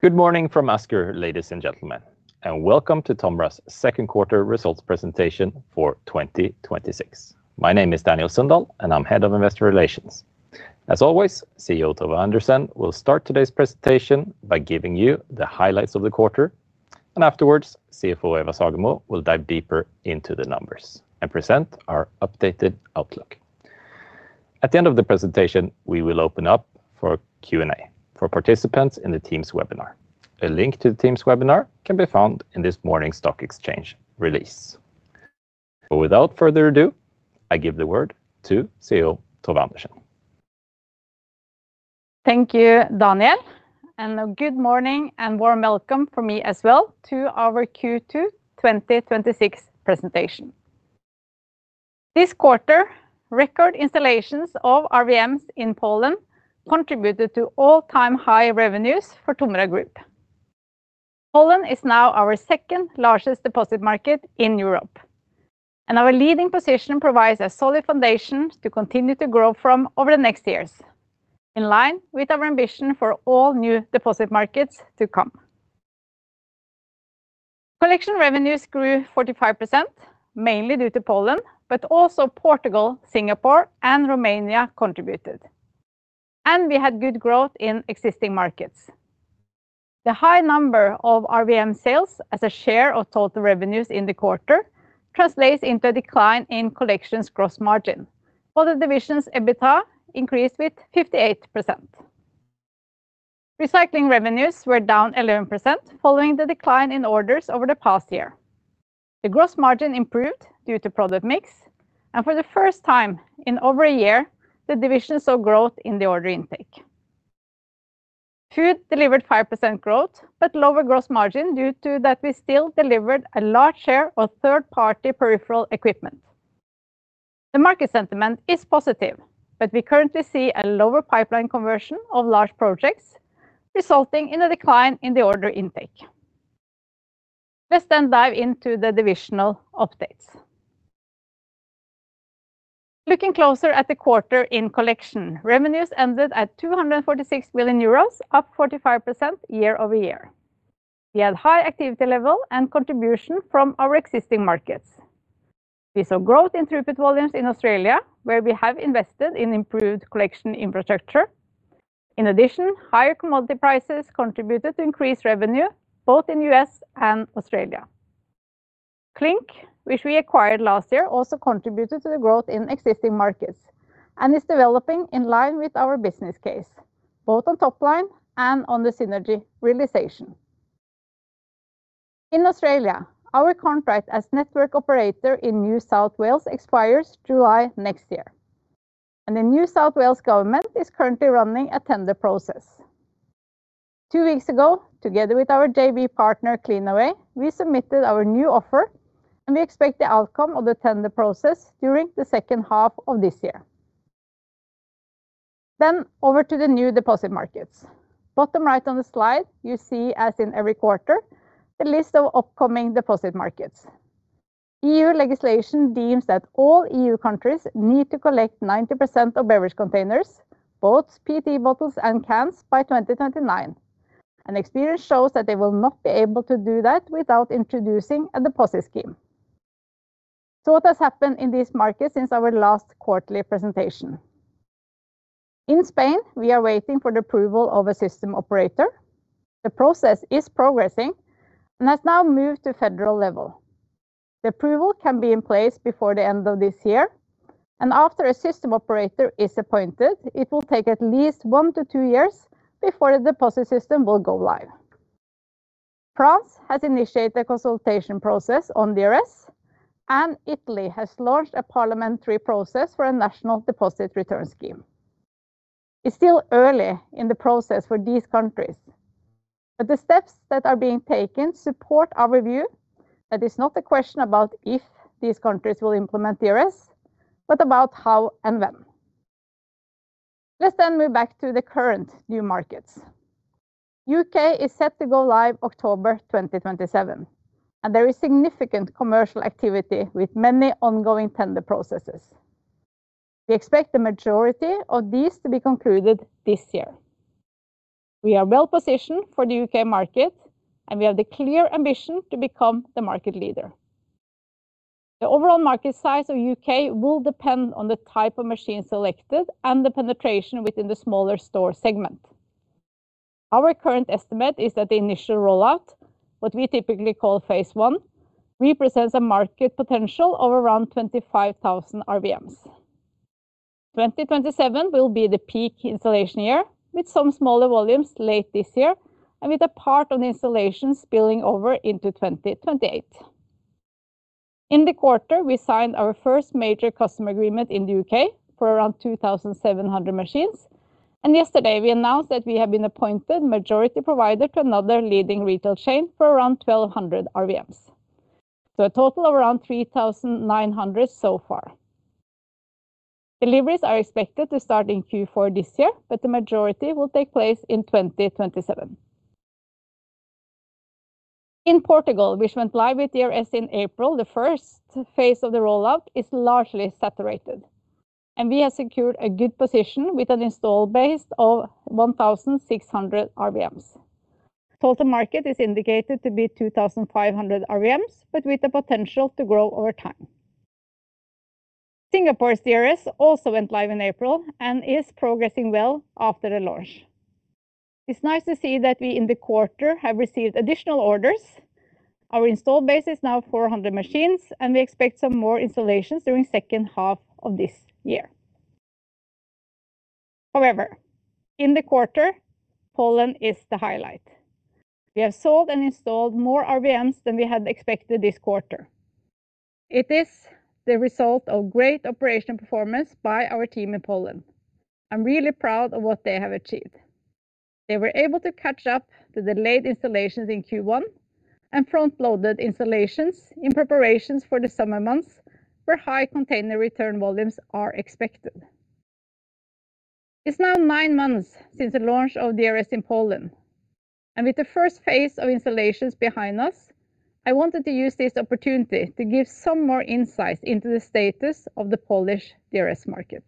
Good morning from Asker, ladies and gentlemen, and welcome to TOMRA's second quarter results presentation for 2026. My name is Daniel Sundahl, and I am Head of Investor Relations. As always, CEO Tove Andersen will start today's presentation by giving you the highlights of the quarter, and afterwards, CFO Eva Sagemo will dive deeper into the numbers and present our updated outlook. At the end of the presentation, we will open up for Q&A for participants in the Teams webinar. A link to the Teams webinar can be found in this morning's stock exchange release. Without further ado, I give the word to CEO Tove Andersen. Thank you, Daniel, and good morning and warm welcome from me as well to our Q2 2026 presentation. This quarter, record installations of RVMs in Poland contributed to all-time high revenues for TOMRA Group. Poland is now our second-largest deposit market in Europe, and our leading position provides a solid foundation to continue to grow from over the next years, in line with our ambition for all new deposit markets to come. Collection revenues grew 45%, mainly due to Poland, but also Portugal, Singapore, and Romania contributed. We had good growth in existing markets. The high number of RVM sales as a share of total revenues in the quarter translates into a decline in collections gross margin, while the division's EBITDA increased with 58%. Recycling revenues were down 11% following the decline in orders over the past year. The gross margin improved due to product mix, and for the first time in over a year, the division saw growth in the order intake. Food delivered 5% growth, but lower gross margin due to that we still delivered a large share of third-party peripheral equipment. The market sentiment is positive, but we currently see a lower pipeline conversion of large projects, resulting in a decline in the order intake. Let's dive into the divisional updates. Looking closer at the quarter in collection, revenues ended at 246 million euros, up 45% year-over-year. We had high activity level and contribution from our existing markets. We saw growth in throughput volumes in Australia, where we have invested in improved collection infrastructure. In addition, higher commodity prices contributed to increased revenue both in the U.S. and Australia. Clynk, which we acquired last year, also contributed to the growth in existing markets and is developing in line with our business case, both on top line and on the synergy realization. In Australia, our contract as network operator in New South Wales expires July next year, and the New South Wales Government is currently running a tender process. Two weeks ago, together with our JV partner, Cleanaway, we submitted our new offer, and we expect the outcome of the tender process during the second half of this year. Over to the new deposit markets. Bottom right on the slide, you see, as in every quarter, a list of upcoming deposit markets. EU legislation deems that all EU countries need to collect 90% of beverage containers, both PET bottles and cans, by 2029. Experience shows that they will not be able to do that without introducing a deposit scheme. What has happened in these markets since our last quarterly presentation? In Spain, we are waiting for the approval of a system operator. The process is progressing and has now moved to federal level. The approval can be in place before the end of this year, and after a system operator is appointed, it will take at least one to two years before the deposit system will go live. France has initiated a consultation process on DRS, and Italy has launched a parliamentary process for a national deposit return scheme. It's still early in the process for these countries, but the steps that are being taken support our review that is not a question about if these countries will implement DRS, but about how and when. Let's move back to the current new markets. U.K. is set to go live October 2027. There is significant commercial activity with many ongoing tender processes. We expect the majority of these to be concluded this year. We are well-positioned for the U.K. market. We have the clear ambition to become the market leader. The overall market size of U.K. will depend on the type of machine selected and the penetration within the smaller store segment. Our current estimate is that the initial rollout, what we typically call phase I, represents a market potential of around 25,000 RVMs. 2027 will be the peak installation year, with some smaller volumes late this year and with a part of the installation spilling over into 2028. In the quarter, we signed our first major customer agreement in the U.K. for around 2,700 machines. Yesterday, we announced that we have been appointed majority provider to another leading retail chain for around 1,200 RVMs. A total of around 3,900 so far. Deliveries are expected to start in Q4 this year, but the majority will take place in 2027. In Portugal, which went live with DRS in April, the first phase of the rollout is largely saturated, and we have secured a good position with an install base of 1,600 RVMs. Total market is indicated to be 2,500 RVMs, but with the potential to grow over time. Singapore's DRS also went live in April and is progressing well after the launch. It's nice to see that we, in the quarter, have received additional orders. Our installed base is now 400 machines, and we expect some more installations during second half of this year. However, in the quarter, Poland is the highlight. We have sold and installed more RVMs than we had expected this quarter. It is the result of great operation performance by our team in Poland. I'm really proud of what they have achieved. They were able to catch up the delayed installations in Q1 and front-loaded installations in preparations for the summer months, where high container return volumes are expected. It's now nine months since the launch of DRS in Poland. With the first phase of installations behind us, I wanted to use this opportunity to give some more insight into the status of the Polish DRS market.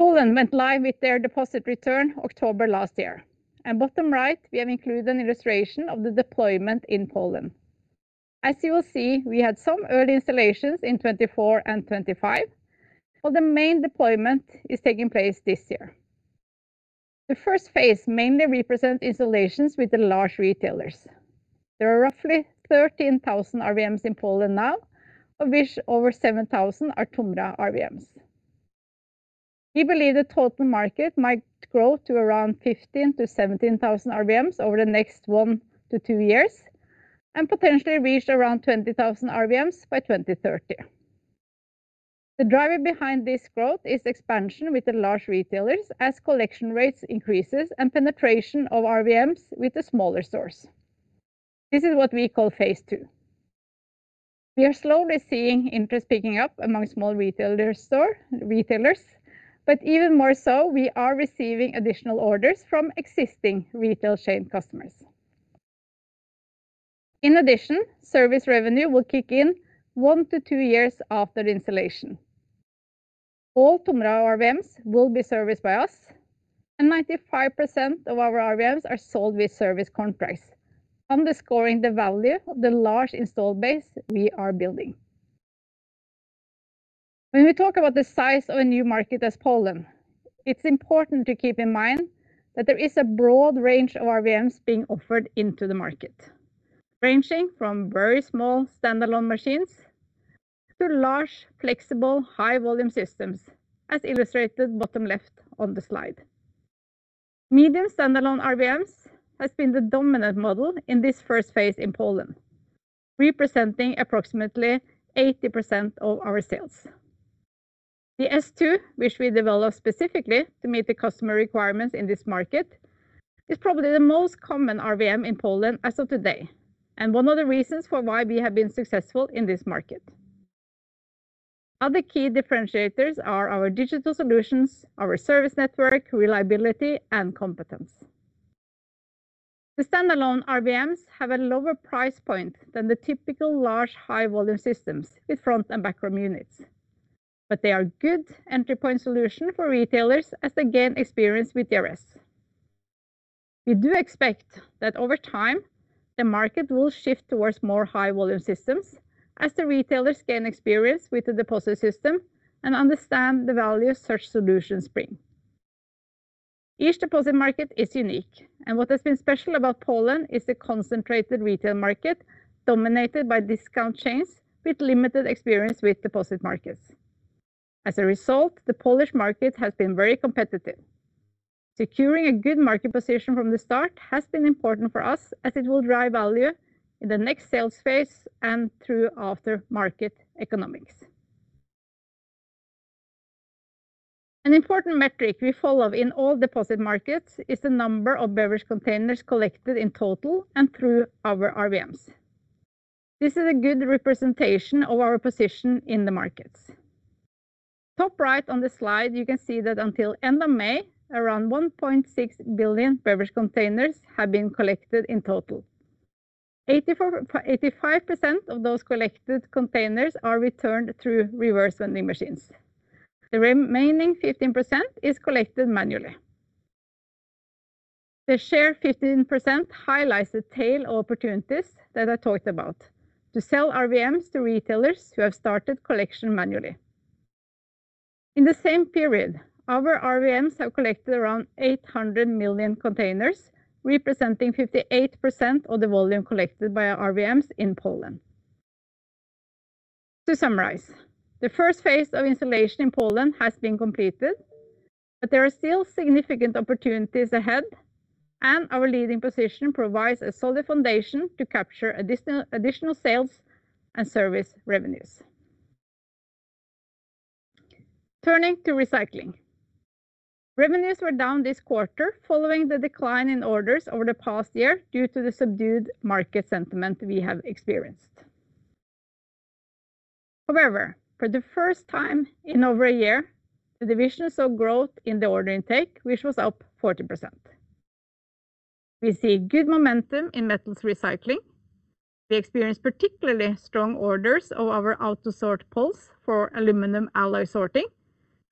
Poland went live with their deposit return October last year. Bottom right, we have included an illustration of the deployment in Poland. As you will see, we had some early installations in 2024 and 2025, while the main deployment is taking place this year. The first phase mainly represents installations with the large retailers. There are roughly 13,000 RVMs in Poland now, of which over 7,000 are TOMRA RVMs. We believe the total market might grow to around 15,000 to 17,000 RVMs over the next one to two years, and potentially reach around 20,000 RVMs by 2030. The driver behind this growth is expansion with the large retailers as collection rates increases and penetration of RVMs with the smaller stores. This is what we call phase II. We are slowly seeing interest picking up among small retailers, but even more so, we are receiving additional orders from existing retail chain customers. In addition, service revenue will kick in one to two years after the installation. All TOMRA RVMs will be serviced by us, and 95% of our RVMs are sold with service contracts, underscoring the value of the large install base we are building. When we talk about the size of a new market as Poland, it's important to keep in mind that there is a broad range of RVMs being offered into the market. Ranging from very small standalone machines to large, flexible, high-volume systems, as illustrated bottom left on the slide. Medium standalone RVMs has been the dominant model in this first phase in Poland, representing approximately 80% of our sales. The S2, which we developed specifically to meet the customer requirements in this market, is probably the most common RVM in Poland as of today, and one of the reasons for why we have been successful in this market. Other key differentiators are our digital solutions, our service network, reliability, and competence. The standalone RVMs have a lower price point than the typical large, high-volume systems with front and backroom units. They are a good entry point solution for retailers as they gain experience with DRS. We do expect that over time, the market will shift towards more high-volume systems as the retailers gain experience with the deposit system and understand the value such solutions bring. Each deposit market is unique, and what has been special about Poland is the concentrated retail market dominated by discount chains with limited experience with deposit markets. As a result, the Polish market has been very competitive. Securing a good market position from the start has been important for us as it will drive value in the next sales phase and through after-market economics. An important metric we follow in all deposit markets is the number of beverage containers collected in total and through our RVMs. This is a good representation of our position in the markets. Top right on the slide, you can see that until end of May, around 1.6 billion beverage containers have been collected in total. 85% of those collected containers are returned through reverse vending machines. The remaining 15% is collected manually. The share 15% highlights the tail opportunities that I talked about, to sell RVMs to retailers who have started collection manually. In the same period, our RVMs have collected around 800 million containers, representing 58% of the volume collected by our RVMs in Poland. To summarize, the first phase of installation in Poland has been completed, but there are still significant opportunities ahead, and our leading position provides a solid foundation to capture additional sales and service revenues. Turning to TOMRA Recycling. Revenues were down this quarter following the decline in orders over the past year due to the subdued market sentiment we have experienced. However, for the first time in over a year, the division saw growth in the order intake, which was up 40%. We see good momentum in metals recycling. We experienced particularly strong orders of our AUTOSORT PULSE for aluminum alloy sorting,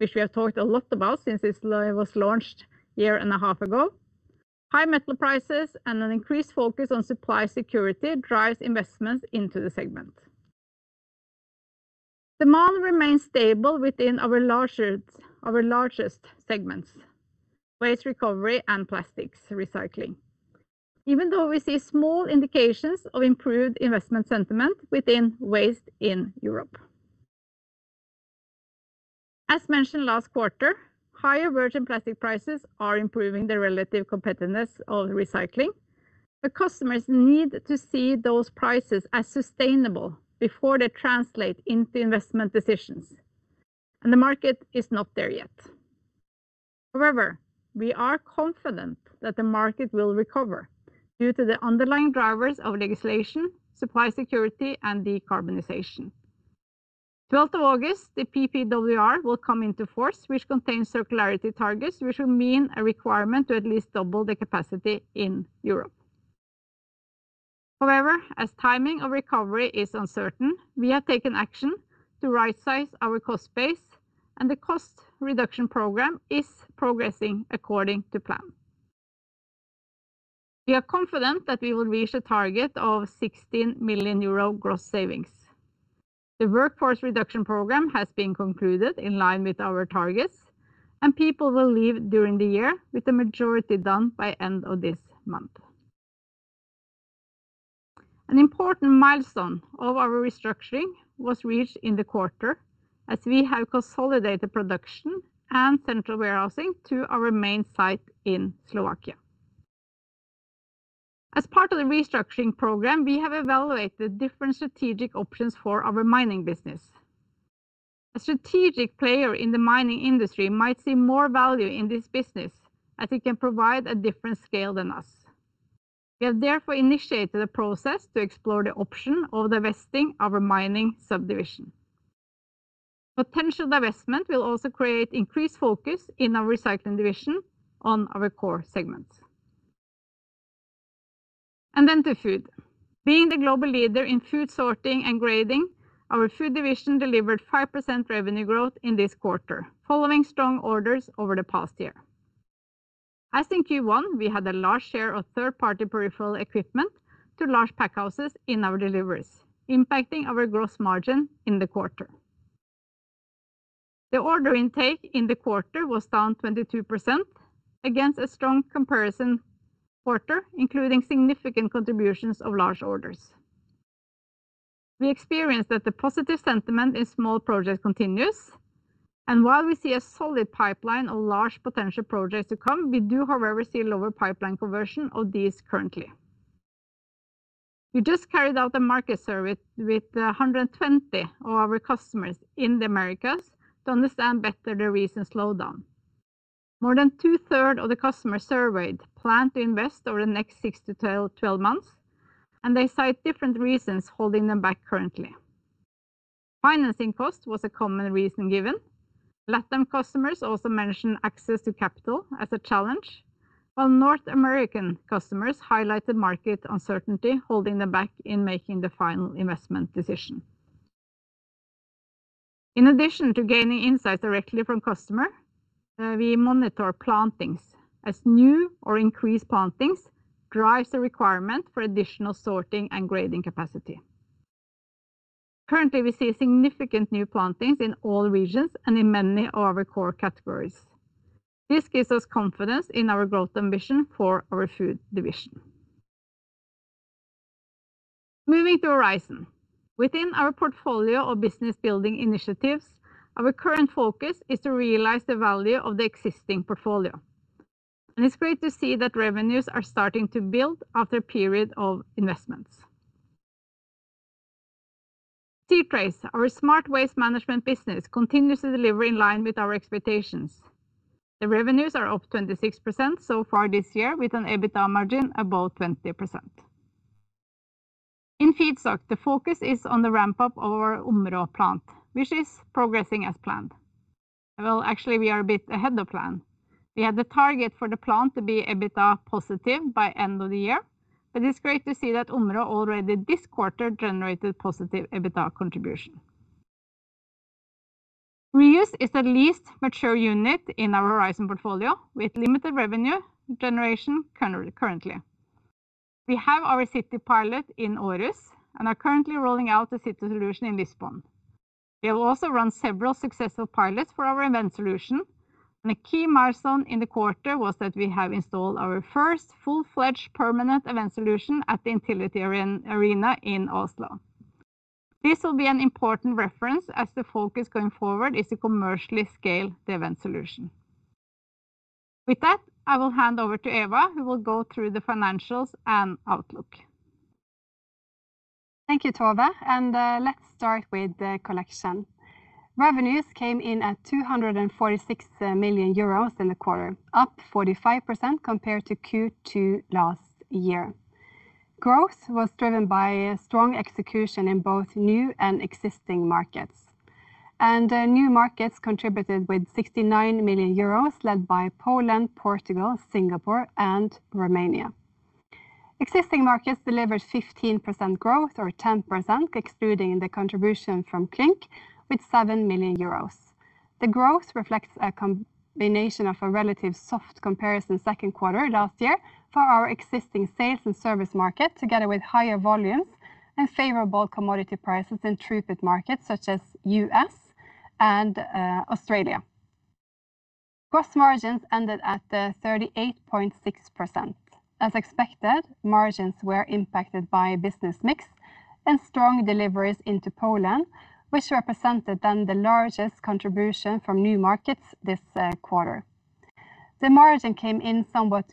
which we have talked a lot about since it was launched a year and a half ago. High metal prices and an increased focus on supply security drives investments into the segment. Demand remains stable within our largest segments, waste recovery and plastics recycling. Even though we see small indications of improved investment sentiment within waste in Europe. As mentioned last quarter, higher virgin plastic prices are improving the relative competitiveness of recycling. The customers need to see those prices as sustainable before they translate into investment decisions, and the market is not there yet. We are confident that the market will recover due to the underlying drivers of legislation, supply security, and decarbonization. 12th of August, the PPWR will come into force, which contains circularity targets, which will mean a requirement to at least double the capacity in Europe. As timing of recovery is uncertain, we have taken action to rightsize our cost base, and the cost reduction program is progressing according to plan. We are confident that we will reach a target of 16 million euro gross savings. The workforce reduction program has been concluded in line with our targets, and people will leave during the year, with the majority done by end of this month. An important milestone of our restructuring was reached in the quarter, as we have consolidated production and central warehousing to our main site in Slovakia. As part of the restructuring program, we have evaluated different strategic options for our mining business. A strategic player in the mining industry might see more value in this business, as it can provide a different scale than us. We have therefore initiated a process to explore the option of divesting our mining subdivision. Potential divestment will also create increased focus in our recycling division on our core segments. Then to food. Being the global leader in food sorting and grading, our food division delivered 5% revenue growth in this quarter, following strong orders over the past year. As in Q1, we had a large share of third-party peripheral equipment to large pack houses in our deliveries, impacting our gross margin in the quarter. The order intake in the quarter was down 22% against a strong comparison quarter, including significant contributions of large orders. We experienced that the positive sentiment in small projects continues, and while we see a solid pipeline of large potential projects to come, we do, however, see lower pipeline conversion of these currently. We just carried out a market survey with 120 of our customers in the Americas to understand better the recent slowdown. More than two-third of the customers surveyed plan to invest over the next 6-12 months, and they cite different reasons holding them back currently. Financing cost was a common reason given. LATAM customers also mentioned access to capital as a challenge, while North American customers highlighted market uncertainty holding them back in making the final investment decision. In addition to gaining insights directly from customer, we monitor plantings, as new or increased plantings drives the requirement for additional sorting and grading capacity. Currently, we see significant new plantings in all regions and in many of our core categories. This gives us confidence in our growth ambition for our TOMRA Food division. Moving to TOMRA Horizon. Within our portfolio of business-building initiatives, our current focus is to realize the value of the existing portfolio, and it's great to see that revenues are starting to build after a period of investments. c-trace, our smart waste management business, continues to deliver in line with our expectations. The revenues are up 26% so far this year with an EBITDA margin above 20%. In TOMRA Feedstock, the focus is on the ramp-up of our Områ plant, which is progressing as planned. Well, actually, we are a bit ahead of plan. We had the target for the plant to be EBITDA positive by end of the year, but it's great to see that Områ already this quarter generated positive EBITDA contribution. TOMRA Reuse is the least mature unit in our TOMRA Horizon portfolio, with limited revenue generation currently. We have our city pilot in Aarhus and are currently rolling out the city solution in Lisbon. We have also run several successful pilots for our event solution. A key milestone in the quarter was that we have installed our first full-fledged permanent event solution at the Intility Arena in Oslo. This will be an important reference as the focus going forward is to commercially scale the event solution. With that, I will hand over to Eva, who will go through the financials and outlook. Thank you, Tove, let's start with the TOMRA Collection. Revenues came in at 246 million euros in the quarter, up 45% compared to Q2 last year. Growth was driven by a strong execution in both new and existing markets. New markets contributed with 69 million euros, led by Poland, Portugal, Singapore, and Romania. Existing markets delivered 15% growth or 10%, excluding the contribution from Clynk, with 7 million euros. The growth reflects a combination of a relative soft comparison second quarter last year for our existing sales and service market, together with higher volumes and favorable commodity prices in throughput markets such as U.S. and Australia. Gross margins ended at 38.6%. As expected, margins were impacted by business mix and strong deliveries into Poland, which represented then the largest contribution from new markets this quarter. The margin came in somewhat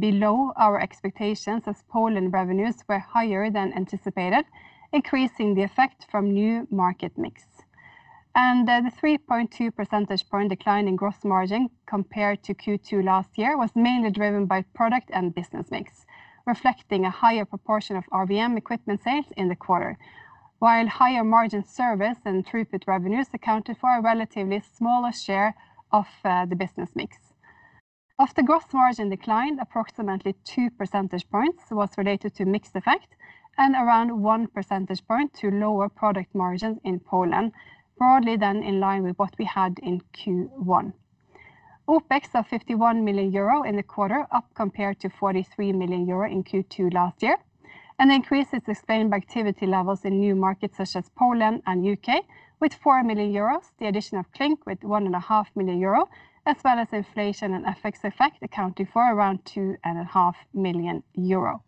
below our expectations as Poland revenues were higher than anticipated, increasing the effect from new market mix. The 3.2 percentage point decline in gross margin compared to Q2 last year was mainly driven by product and business mix, reflecting a higher proportion of RVM equipment sales in the quarter. While higher margin service and throughput revenues accounted for a relatively smaller share of the business mix. Of the gross margin decline, approximately two percentage points was related to mix effect and around one percentage point to lower product margins in Poland, broadly then in line with what we had in Q1. OPEX of 51 million euro in the quarter, up compared to 43 million euro in Q2 last year. An increase is explained by activity levels in new markets such as Poland and U.K. with 4 million euros, the addition of Clynk with 1.5 million euro, as well as inflation and FX effect accounting for around 2.5 million euro.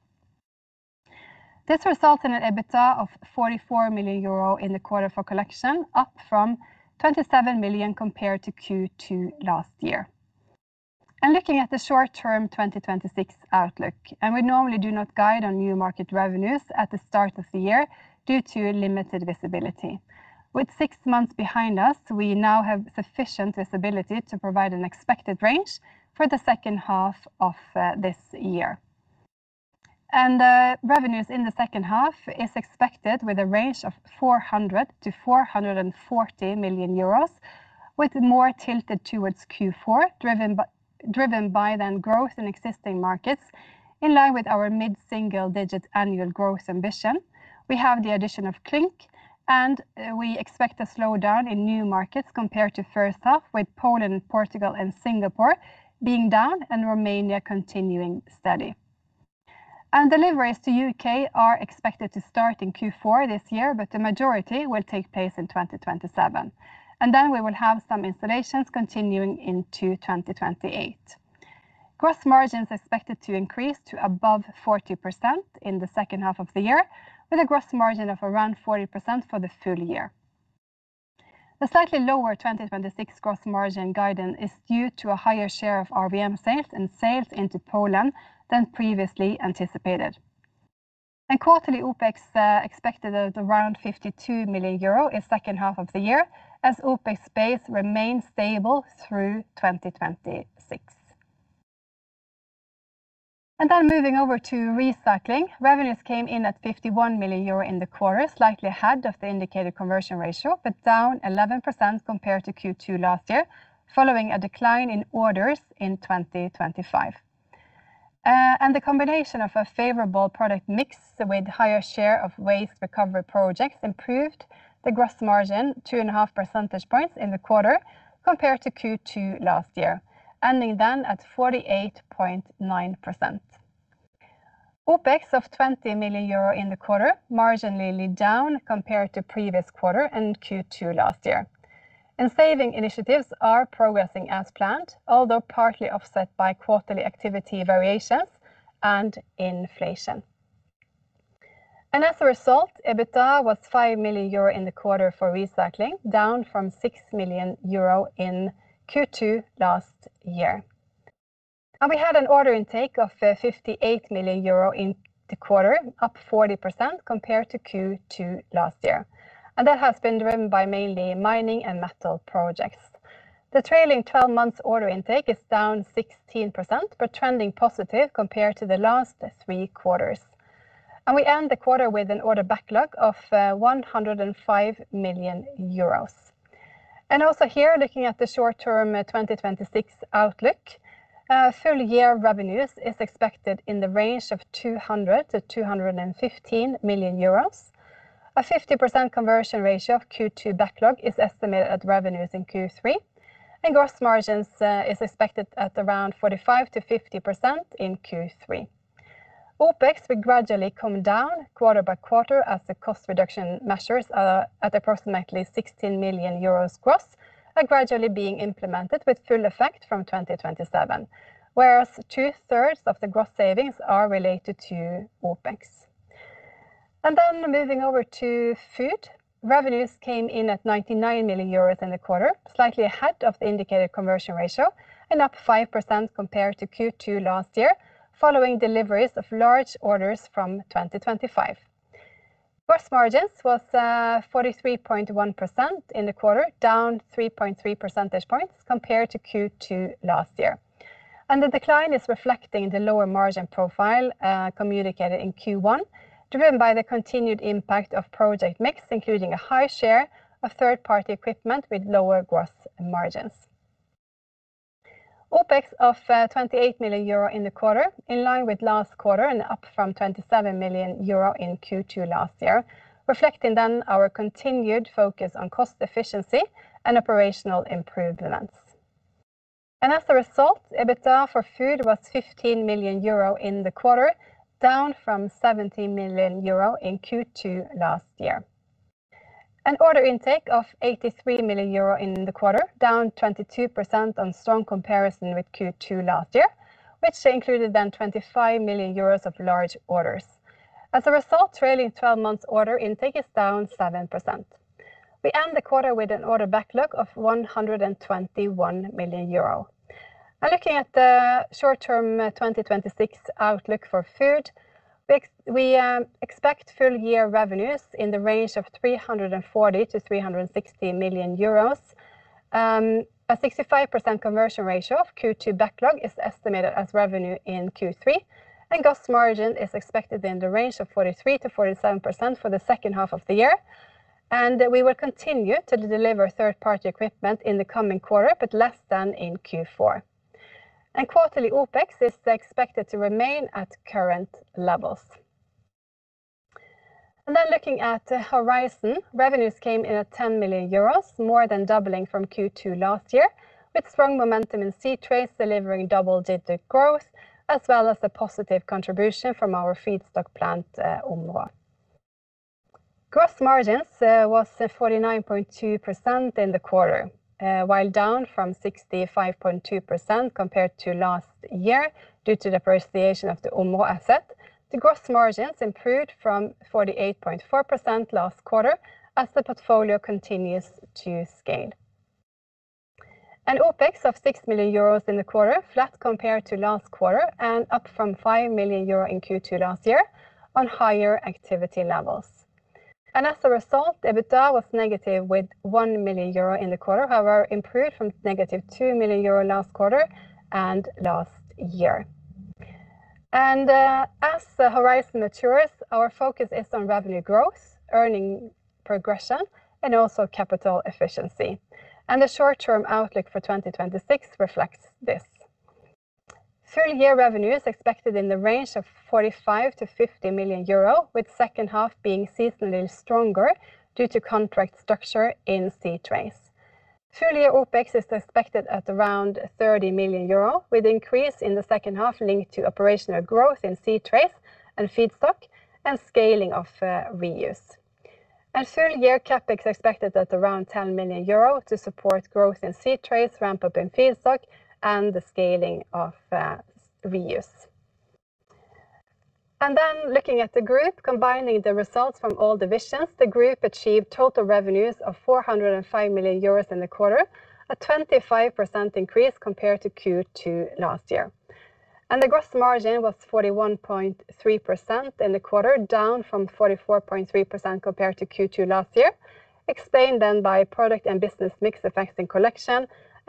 This results in an EBITDA of 44 million euro in the quarter for Collection, up from 27 million compared to Q2 last year. Looking at the short-term 2026 outlook, we normally do not guide on new market revenues at the start of the year due to limited visibility. With six months behind us, we now have sufficient visibility to provide an expected range for the second half of this year. Revenues in the second half is expected with a range of 400 million-440 million euros, with more tilted towards Q4, driven by growth in existing markets in line with our mid-single-digit annual growth ambition. We have the addition of Clynk, we expect a slowdown in new markets compared to first half, with Poland, Portugal, and Singapore being down and Romania continuing steady. Deliveries to U.K. are expected to start in Q4 this year, but the majority will take place in 2027. We will have some installations continuing into 2028. Gross margin is expected to increase to above 40% in the second half of the year, with a gross margin of around 40% for the full year. The slightly lower 2026 gross margin guidance is due to a higher share of RVM sales and sales into Poland than previously anticipated. Quarterly OPEX, expected at around 52 million euro in second half of the year, as OPEX base remains stable through 2026. Moving over to Recycling, revenues came in at 51 million euro in the quarter, slightly ahead of the indicated conversion ratio, but down 11% compared to Q2 last year, following a decline in orders in 2025. The combination of a favorable product mix with higher share of waste recovery projects improved the gross margin two and a half percentage points in the quarter compared to Q2 last year, ending at 48.9%. OPEX of 20 million euro in the quarter, marginally down compared to previous quarter and Q2 last year. Saving initiatives are progressing as planned, although partly offset by quarterly activity variations and inflation. As a result, EBITDA was 5 million euro in the quarter for Recycling, down from 6 million euro in Q2 last year. We had an order intake of 58 million euro in the quarter, up 40% compared to Q2 last year. That has been driven by mainly mining and metal projects. The trailing 12 months order intake is down 16%, but trending positive compared to the last three quarters. We end the quarter with an order backlog of 105 million euros. Also here, looking at the short-term 2026 outlook, full-year revenues is expected in the range of 200 million-215 million euros. A 50% conversion ratio of Q2 backlog is estimated at revenues in Q3, and gross margins is expected at around 45%-50% in Q3. OPEX will gradually come down quarter by quarter as the cost reduction measures are at approximately 16 million euros gross are gradually being implemented with full effect from 2027, whereas two-thirds of the gross savings are related to OPEX. Moving over to Food. Revenues came in at 99 million euros in the quarter, slightly ahead of the indicated conversion ratio and up 5% compared to Q2 last year, following deliveries of large orders from 2025. Gross margins was 43.1% in the quarter, down 3.3 percentage points compared to Q2 last year. The decline is reflecting the lower margin profile communicated in Q1, driven by the continued impact of project mix, including a high share of third-party equipment with lower gross margins. OPEX of 28 million euro in the quarter, in line with last quarter and up from 27 million euro in Q2 last year, reflecting our continued focus on cost efficiency and operational improvements. As a result, EBITDA for TOMRA Food was 15 million euro in the quarter, down from 17 million euro in Q2 last year. Order intake of 83 million euro in the quarter, down 22% on strong comparison with Q2 last year, which included 25 million euros of large orders. As a result, trailing 12 months order intake is down 7%. We end the quarter with an order backlog of 121 million euro. Looking at the short-term 2026 outlook for TOMRA Food, we expect full year revenues in the range of 340 million-360 million euros. A 65% conversion ratio of Q2 backlog is estimated as revenue in Q3, and gross margin is expected in the range of 43%-47% for the second half of the year. We will continue to deliver third-party equipment in the coming quarter, but less than in Q4. Quarterly OPEX is expected to remain at current levels. Looking at the TOMRA Horizon, revenues came in at 10 million euros, more than doubling from Q2 last year, with strong momentum in c-trace delivering double-digit growth, as well as a positive contribution from our TOMRA Feedstock plant, Områ. Gross margins was 49.2% in the quarter. While down from 65.2% compared to last year due to the appreciation of the Områ asset, the gross margins improved from 48.4% last quarter as the portfolio continues to scale. OPEX of 6 million euros in the quarter, flat compared to last quarter and up from 5 million euro in Q2 last year on higher activity levels. As a result, EBITDA was negative with 1 million euro in the quarter, however, improved from negative 2 million euro last quarter and last year. As the TOMRA Horizon matures, our focus is on revenue growth, earning progression, and also capital efficiency. The short-term outlook for 2026 reflects this. Full year revenue is expected in the range of 45 million-50 million euro, with second half being seasonally stronger due to contract structure in c-trace. Full year OPEX is expected at around 30 million euro, with increase in the second half linked to operational growth in c-trace and TOMRA Feedstock and scaling of TOMRA Reuse. Full year CapEx expected at around 10 million euro to support growth in c-trace, ramp-up in TOMRA Feedstock, and the scaling of TOMRA Reuse. Looking at the TOMRA Group, combining the results from all divisions, the TOMRA Group achieved total revenues of 405 million euros in the quarter, a 25% increase compared to Q2 last year. The gross margin was 41.3% in the quarter, down from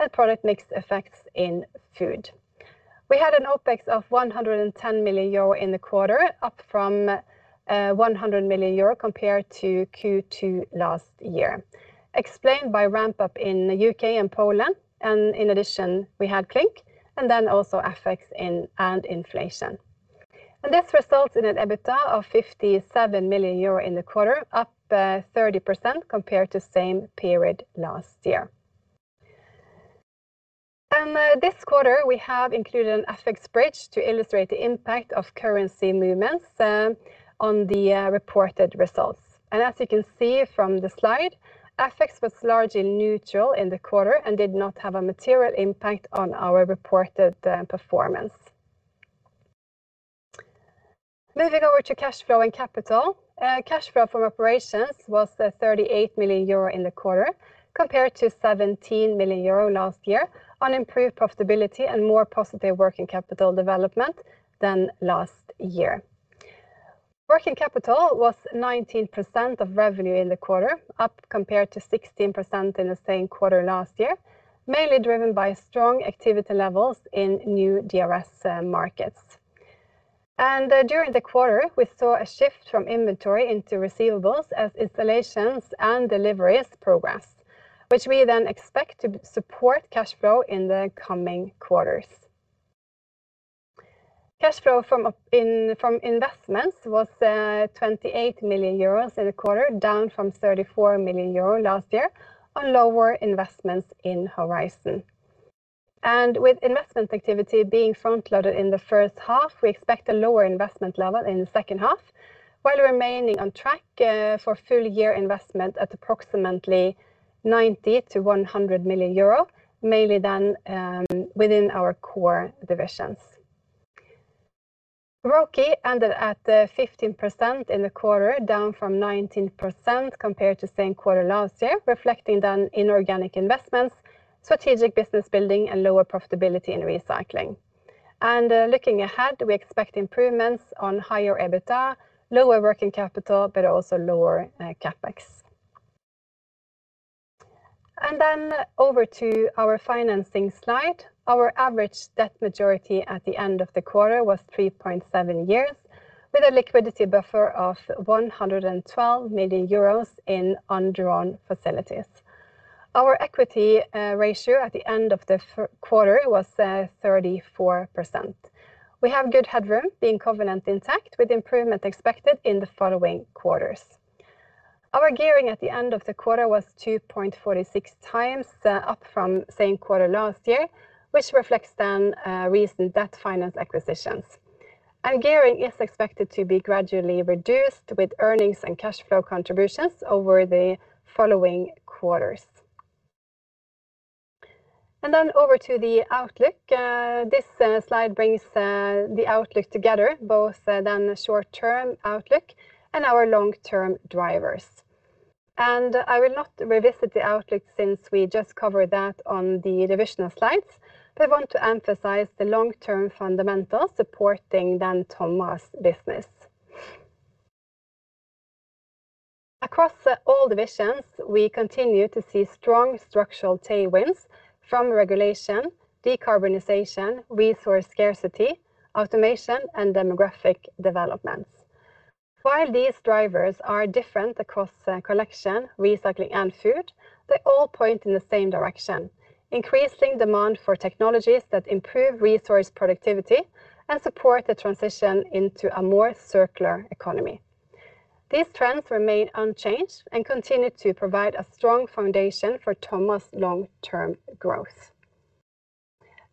44.3% compared to Q2 last year, explained by product and business mix effects in TOMRA Collection and product mix effects in TOMRA Food. We had an OPEX of 110 million euro in the quarter, up from 100 million euro compared to Q2 last year, explained by ramp-up in U.K. and Poland. In addition, we had Clynk, then also FX and inflation. This results in an EBITDA of 57 million euro in the quarter, up 30% compared to same period last year. This quarter, we have included an FX bridge to illustrate the impact of currency movements on the reported results. As you can see from the slide, FX was largely neutral in the quarter and did not have a material impact on our reported performance. Moving over to cash flow and capital. Cash flow from operations was 38 million euro in the quarter compared to 17 million euro last year on improved profitability and more positive working capital development than last year. Working capital was 19% of revenue in the quarter, up compared to 16% in the same quarter last year, mainly driven by strong activity levels in new DRS markets. During the quarter, we saw a shift from inventory into receivables as installations and deliveries progressed, which we then expect to support cash flow in the coming quarters. Cash flow from investments was 28 million euros in the quarter, down from 34 million euro last year on lower investments in Horizon. With investment activity being front-loaded in the first half, we expect a lower investment level in the second half while remaining on track for full year investment at approximately 90 million-100 million euro, mainly then within our core divisions. ROCE ended at 15% in the quarter, down from 19% compared to same quarter last year, reflecting then inorganic investments, strategic business building, and lower profitability in recycling. Looking ahead, we expect improvements on higher EBITDA, lower working capital, but also lower CapEx. Then over to our financing slide. Our average debt maturity at the end of the quarter was 3.7 years, with a liquidity buffer of 112 million euros in undrawn facilities. Our equity ratio at the end of the quarter was 34%. We have good headroom, being covenant intact, with improvement expected in the following quarters. Our gearing at the end of the quarter was 2.46 times, up from same quarter last year, which reflects then recent debt finance acquisitions. Gearing is expected to be gradually reduced with earnings and cash flow contributions over the following quarters. Then over to the outlook. This slide brings the outlook together, both then the short-term outlook and our long-term drivers. I will not revisit the outlook since we just covered that on the divisional slides. I want to emphasize the long-term fundamentals supporting then TOMRA's business. Across all divisions, we continue to see strong structural tailwinds from regulation, decarbonization, resource scarcity, automation, and demographic developments. While these drivers are different across collection, recycling, and food, they all point in the same direction, increasing demand for technologies that improve resource productivity and support the transition into a more circular economy. These trends remain unchanged and continue to provide a strong foundation for TOMRA's long-term growth.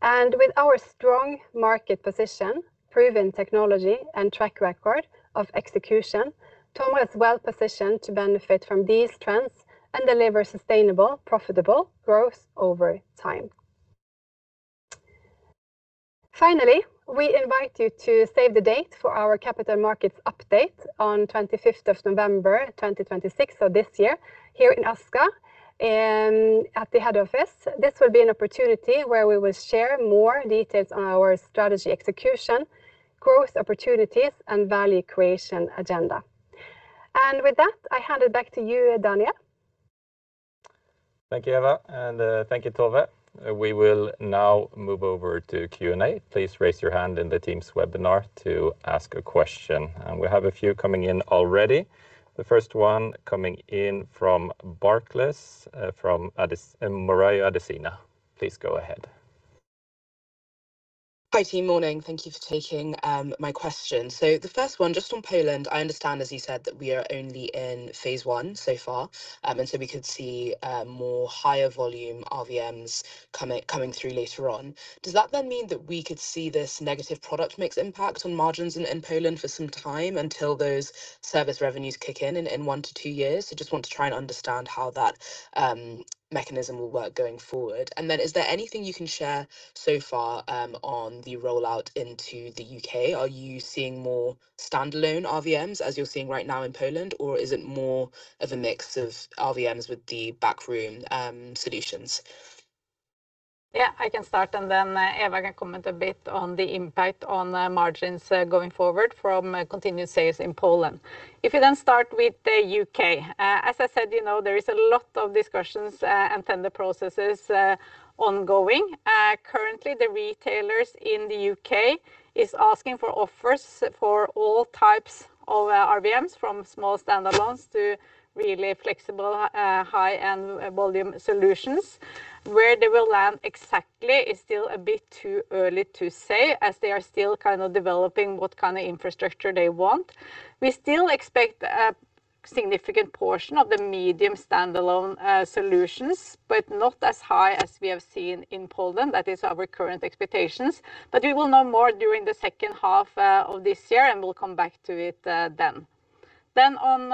With our strong market position, proven technology, and track record of execution, TOMRA is well-positioned to benefit from these trends and deliver sustainable, profitable growth over time. Finally, we invite you to save the date for our capital markets update on 25th of November 2026, so this year, here in Asker at the head office. This will be an opportunity where we will share more details on our strategy execution, growth opportunities, and value creation agenda. With that, I hand it back to you, Daniel. Thank you, Eva, and thank you, Tove. We will now move over to Q&A. Please raise your hand in the team's webinar to ask a question. We have a few coming in already. The first one coming in from Barclays, from Morayo Adesina. Please go ahead. Hi, team. Morning. Thank you for taking my question. The first one, just on Poland, I understand, as you said, that we are only in phase I so far, we could see more higher volume RVMs coming through later on. Does that then mean that we could see this negative product mix impact on margins in Poland for some time until those service revenues kick in in one to two years? Just want to try and understand how that mechanism will work going forward. Is anything you can share so far on the rollout into the U.K.? Are you seeing more standalone RVMs as you're seeing right now in Poland? Or is it more of a mix of RVMs with the backroom solutions? Yeah, I can start and then Eva can comment a bit on the impact on the margins going forward from continued sales in Poland. If you then start with the U.K., as I said, there is a lot of discussions and tender processes ongoing. Currently, the retailers in the U.K. is asking for offers for all types of RVMs, from small standalones to really flexible high-end volume solutions. Where they will land exactly is still a bit too early to say, as they are still kind of developing what kind of infrastructure they want. We still expect a significant portion of the medium standalone solutions, but not as high as we have seen in Poland. That is our current expectations. We will know more during the second half of this year, and we'll come back to it then. On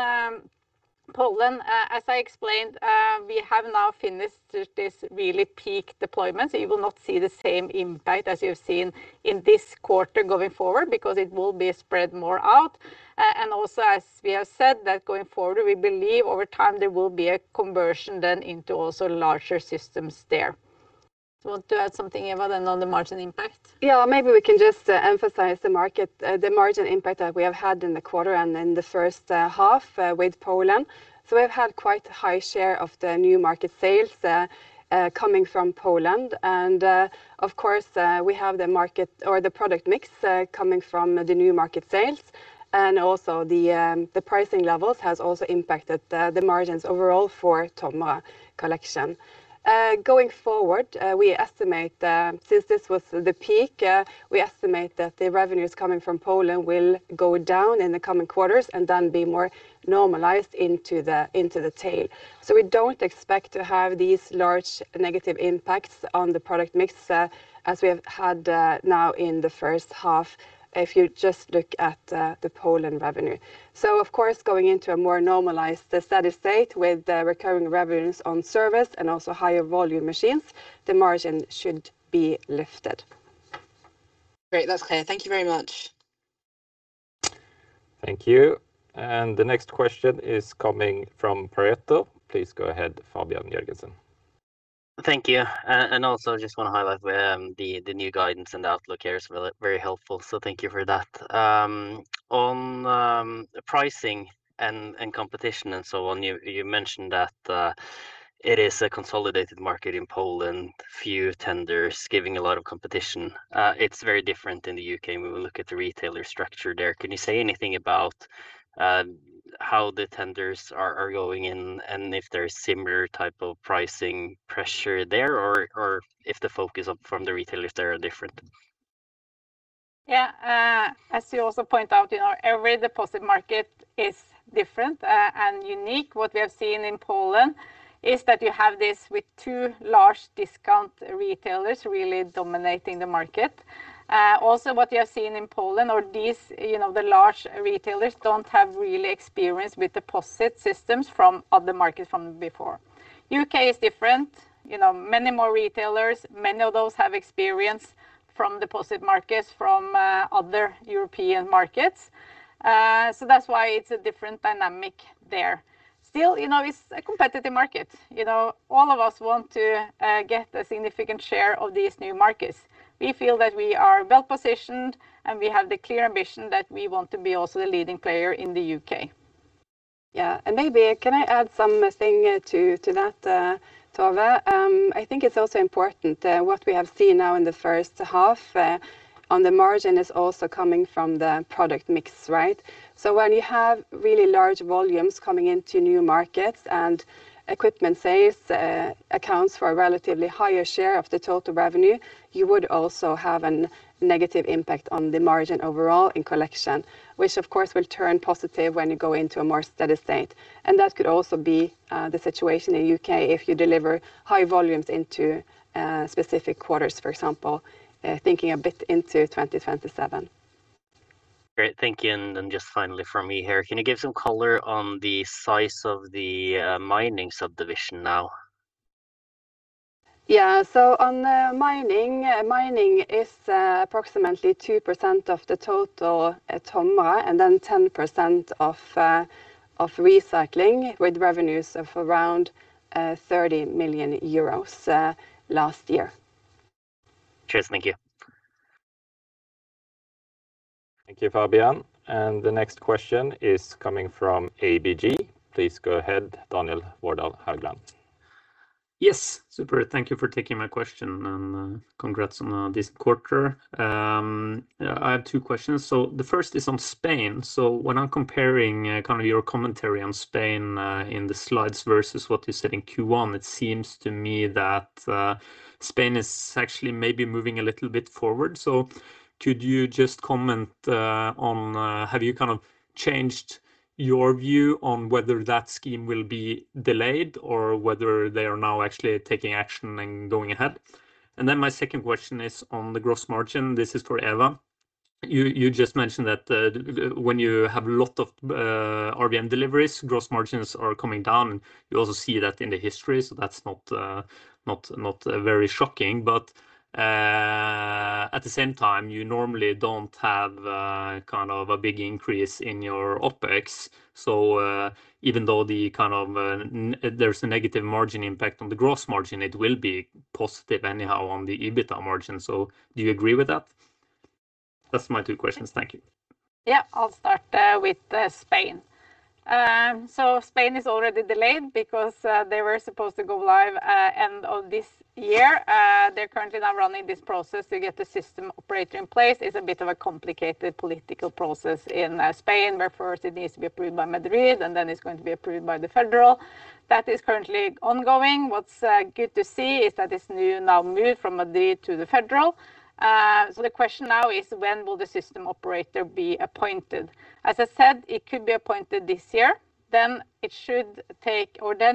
Poland, as I explained, we have now finished this really peak deployment. You will not see the same impact as you've seen in this quarter going forward because it will be spread more out. Also, as we have said that going forward, we believe over time there will be a conversion then into also larger systems there. You want to add something, Eva, then on the margin impact? Maybe we can just emphasize the margin impact that we have had in the quarter and in the first half with Poland. We've had quite high share of the new market sales coming from Poland. Of course, we have the market or the product mix coming from the new market sales. Also the pricing levels has also impacted the margins overall for TOMRA Collection. Going forward, since this was the peak, we estimate that the revenues coming from Poland will go down in the coming quarters and then be more normalized into the tail. We don't expect to have these large negative impacts on the product mix as we have had now in the first half, if you just look at the Poland revenue. Of course, going into a more normalized steady state with recurring revenues on service and also higher volume machines, the margin should be lifted. Great. That's clear. Thank you very much Thank you. The next question is coming from Pareto. Please go ahead, Fabian Jørgensen. Thank you. Also just want to highlight the new guidance and the outlook here is very helpful, thank you for that. On pricing and competition and so on, you mentioned that it is a consolidated market in Poland, few tenders giving a lot of competition. It is very different in the U.K. when we look at the retailer structure there. Can you say anything about how the tenders are going and if there is similar type of pricing pressure there, or if the focus from the retailers there are different? As you also point out, every deposit market is different and unique. What we have seen in Poland is that you have this with two large discount retailers really dominating the market. What we have seen in Poland are the large retailers don't have really experience with deposit systems from other markets from before. U.K. is different, many more retailers. Many of those have experience from deposit markets from other European markets. That is why it is a different dynamic there. It is still a competitive market. All of us want to get a significant share of these new markets. We feel that we are well-positioned, and we have the clear ambition that we want to be also the leading player in the U.K. Maybe can I add something to that, Tove. I think it is also important, what we have seen now in the first half on the margin is also coming from the product mix. When you have really large volumes coming into new markets and equipment sales accounts for a relatively higher share of the total revenue, you would also have a negative impact on the margin overall in collection, which of course will turn positive when you go into a more steady state. That could also be the situation in U.K. if you deliver high volumes into specific quarters, for example, thinking a bit into 2027. Great. Thank you. Just finally from me here, can you give some color on the size of the mining subdivision now? Yeah. On the mining is approximately 2% of the total TOMRA and then 10% of TOMRA Recycling with revenues of around 30 million euros last year. Cheers. Thank you. Thank you, Fabian. The next question is coming from ABG. Please go ahead, Daniel Vårdal Haugland. Yes. Super. Thank you for taking my question and congrats on this quarter. I have two questions. The first is on Spain. When I'm comparing your commentary on Spain in the slides versus what you said in Q1, it seems to me that Spain is actually maybe moving a little bit forward. Could you just comment on have you changed your view on whether that scheme will be delayed or whether they are now actually taking action and going ahead? My second question is on the gross margin. This is for Eva. You just mentioned that when you have lot of RVM deliveries, gross margins are coming down, and you also see that in the history. That's not very shocking. At the same time, you normally don't have a big increase in your OpEx. Even though there's a negative margin impact on the gross margin, it will be positive anyhow on the EBITDA margin. Do you agree with that? That's my two questions. Thank you. I'll start with Spain. Spain is already delayed because they were supposed to go live end of this year. They're currently now running this process to get the system operator in place. It's a bit of a complicated political process in Spain where first it needs to be approved by Madrid, and then it's going to be approved by the federal. That is currently ongoing. What's good to see is that it's now moved from Madrid to the federal. The question now is when will the system operator be appointed? As I said, it could be appointed this year, then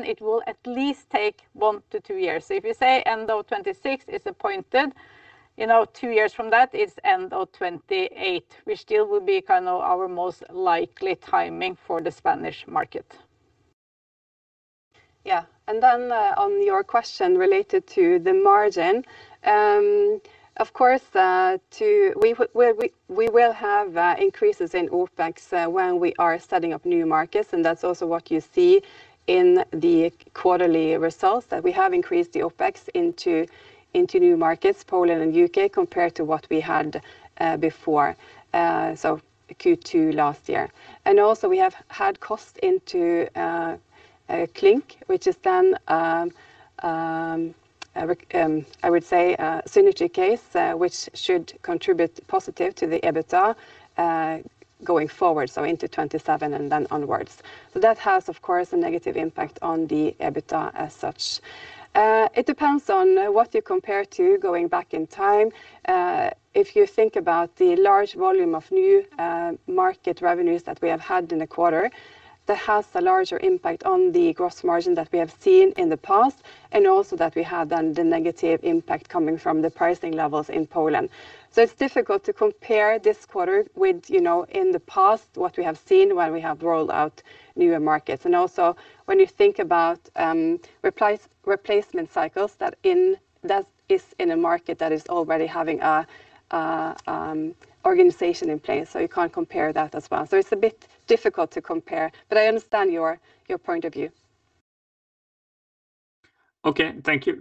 it will at least take one to two years. If you say end of 2026 it's appointed, two years from that is end of 2028, which still will be our most likely timing for the Spanish market. On your question related to the margin, of course, we will have increases in OpEx when we are setting up new markets, and that's also what you see in the quarterly results that we have increased the OpEx into new markets, Poland and U.K., compared to what we had before, so Q2 last year. Also we have had costs into Clynk, which is then, I would say a synergy case, which should contribute positive to the EBITDA going forward, so into 2027 and then onwards. That has, of course, a negative impact on the EBITDA as such. It depends on what you compare to going back in time. If you think about the large volume of new market revenues that we have had in the quarter, that has a larger impact on the gross margin that we have seen in the past, and also that we had then the negative impact coming from the pricing levels in Poland. It's difficult to compare this quarter with in the past what we have seen when we have rolled out newer markets. Also when you think about replacement cycles, that is in a market that is already having an organization in place, so you can't compare that as well. It's a bit difficult to compare, but I understand your point of view. Okay, thank you.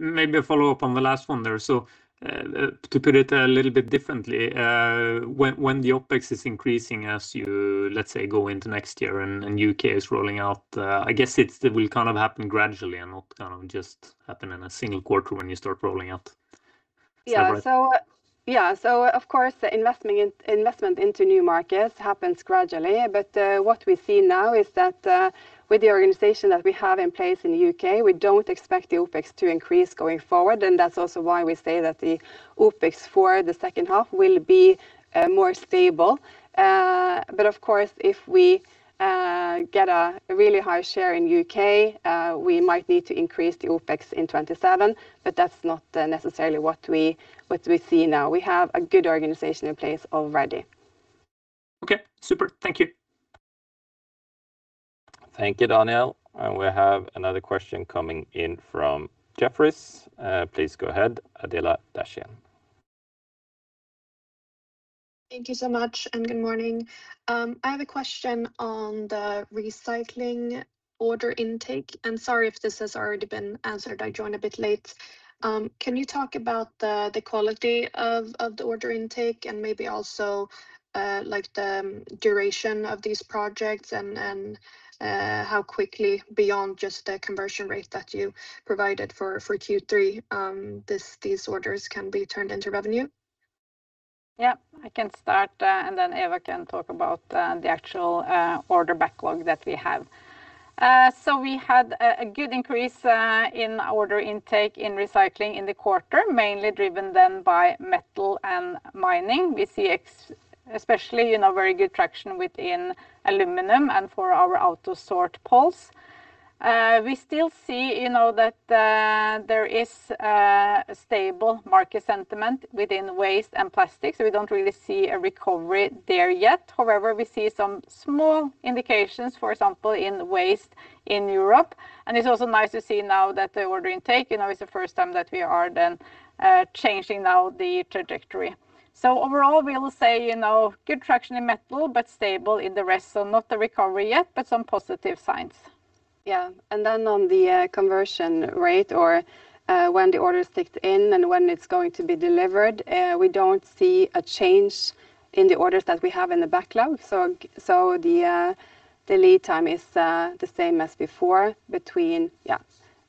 Maybe a follow-up on the last one there. To put it a little bit differently, when the OpEx is increasing as you, let's say, go into next year and U.K. is rolling out, I guess it will happen gradually and not just happen in a single quarter when you start rolling out. Is that right? Yeah. Of course, investment into new markets happens gradually. What we see now is that with the organization that we have in place in the U.K., we don't expect the OpEx to increase going forward. That's also why we say that the OpEx for the second half will be more stable. Of course, if we get a really high share in U.K., we might need to increase the OpEx in 2027, but that's not necessarily what we see now. We have a good organization in place already. Okay, super. Thank you. Thank you, Daniel. We have another question coming in from Jefferies. Please go ahead, Adela Dashian. Thank you so much, good morning. I have a question on the recycling order intake, and sorry if this has already been answered, I joined a bit late. Can you talk about the quality of the order intake and maybe also the duration of these projects and how quickly beyond just the conversion rate that you provided for Q3 these orders can be turned into revenue? Yeah. I can start, then Eva can talk about the actual order backlog that we have. We had a good increase in order intake in recycling in the quarter, mainly driven then by metal and mining. We see especially very good traction within aluminum and for our AUTOSORT PULSE. We still see that there is a stable market sentiment within waste and plastic, we don't really see a recovery there yet. However, we see some small indications, for example, in waste in Europe, it's also nice to see now that the order intake is the first time that we are then changing now the trajectory. Overall, we'll say good traction in metal, but stable in the rest, not the recovery yet, but some positive signs. Yeah. Then on the conversion rate or when the order is taken in and when it's going to be delivered, we don't see a change in the orders that we have in the backlog. The lead time is the same as before.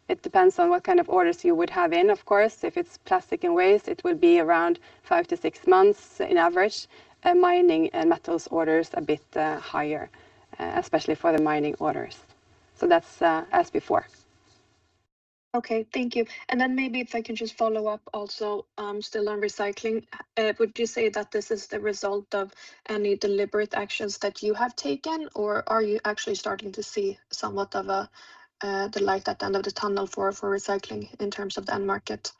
It depends on what kind of orders you would have in, of course. If it's plastic and waste, it will be around five to six months on average. Mining and metals orders a bit higher, especially for the mining orders. That's as before. Okay, thank you. Maybe if I can just follow up also, still on recycling. Would you say that this is the result of any deliberate actions that you have taken, or are you actually starting to see somewhat of a light at the end of the tunnel for recycling in terms of the end market?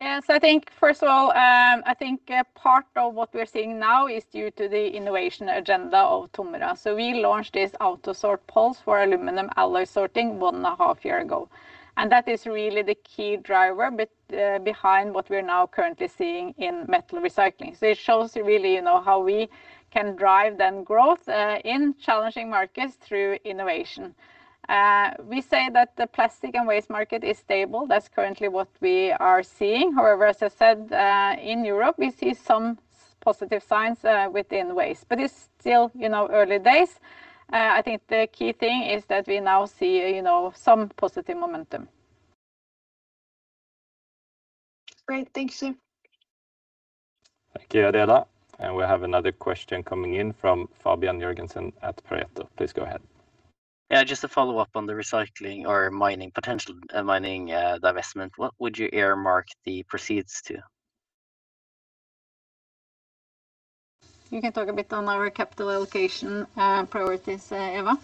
Yeah. I think, first of all, I think part of what we're seeing now is due to the innovation agenda of TOMRA. We launched this AUTOSORT PULSE for aluminum alloy sorting one and a half year ago. That is really the key driver behind what we're now currently seeing in metal recycling. It shows really how we can drive then growth in challenging markets through innovation. We say that the plastic and waste market is stable. That's currently what we are seeing. However, as I said, in Europe, we see some positive signs within waste, but it's still early days. I think the key thing is that we now see some positive momentum. Great. Thank you. Thank you, Adela. We have another question coming in from Fabian Jørgensen at Pareto. Please go ahead. Just to follow up on the TOMRA Recycling or potential TOMRA Mining divestment. What would you earmark the proceeds to? You can talk a bit on our capital allocation priorities, Eva.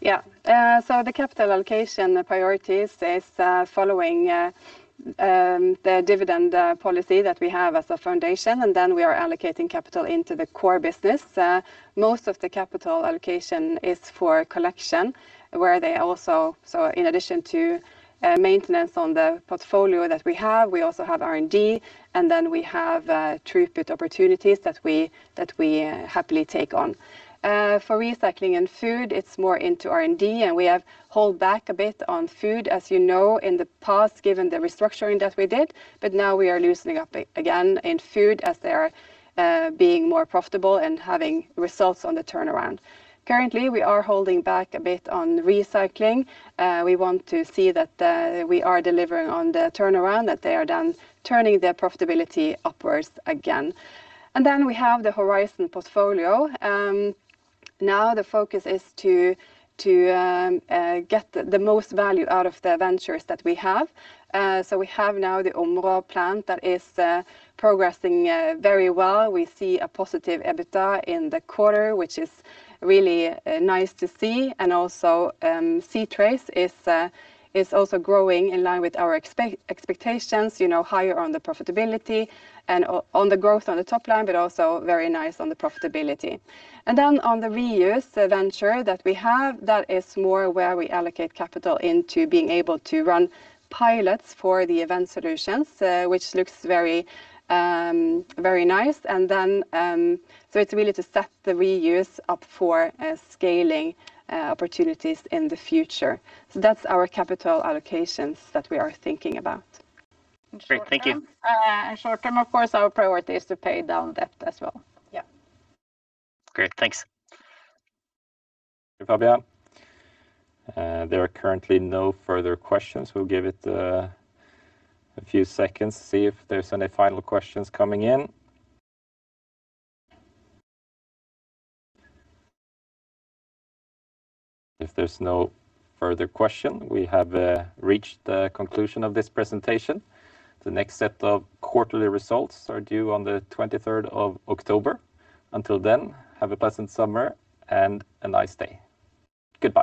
The capital allocation priorities is following the dividend policy that we have as a foundation, we are allocating capital into the core business. Most of the capital allocation is for TOMRA Collection, where they also, in addition to maintenance on the portfolio that we have, we also have R&D, we have [true-to-fit] opportunities that we happily take on. For TOMRA Recycling and TOMRA Food, it's more into R&D, we have held back a bit on TOMRA Food, as you know, in the past, given the restructuring that we did. Now we are loosening up again in TOMRA Food as they are being more profitable and having results on the turnaround. Currently, we are holding back a bit on TOMRA Recycling. We want to see that we are delivering on the turnaround, that they are done turning their profitability upwards again. We have the TOMRA Horizon portfolio. Now the focus is to get the most value out of the ventures that we have. We have now the Områ plant that is progressing very well. We see a positive EBITDA in the quarter, which is really nice to see. c-trace is also growing in line with our expectations, higher on the profitability and on the growth on the top line, also very nice on the profitability. On the TOMRA Reuse venture that we have, that is more where we allocate capital into being able to run pilots for the event solutions, which looks very nice. It's really to set the TOMRA Reuse up for scaling opportunities in the future. That's our capital allocations that we are thinking about. Great. Thank you. Short term, of course, our priority is to pay down debt as well. Yeah. Great. Thanks. Thank you, Fabian. There are currently no further questions. We will give it a few seconds, see if there is any final questions coming in. If there is no further question, we have reached the conclusion of this presentation. The next set of quarterly results are due on the 23rd of October. Until then, have a pleasant summer and a nice day. Goodbye